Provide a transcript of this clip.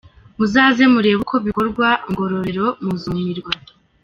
Muzaze murebe uko bikorwa ngororero muzumirwa.